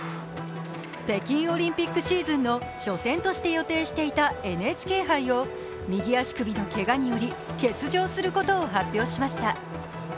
北京オリンピックシーズンの初戦として予定していたＮＨＫ杯を右足首のけがにより欠場することを発表しました。